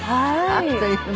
あっという間。